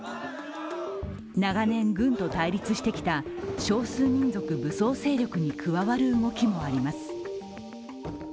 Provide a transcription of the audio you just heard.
長年、軍と対立してきた少数民族武装勢力に加わる動きもあります。